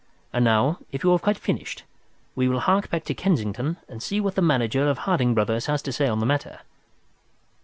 And now, if you have quite finished, we will hark back to Kensington and see what the manager of Harding Brothers has to say on the matter."